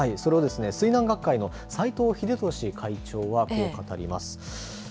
水難学会の斎藤秀俊会長はこう語ります。